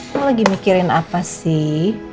aku lagi mikirin apa sih